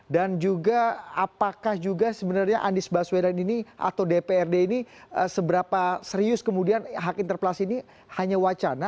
dan juga apakah juga sebenarnya anies baswedan ini atau dprd ini seberapa serius kemudian hak interpelasi ini hanya wacana